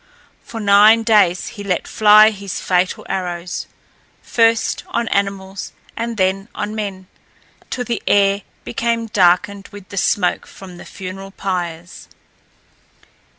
For nine days he let fly his fatal arrows, first on animals and then on men, till the air became darkened with the smoke from the funeral pyres.